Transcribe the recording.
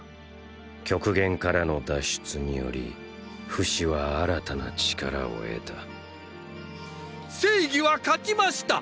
極限からの脱出によりフシは新たな力を得た正義は勝ちました！！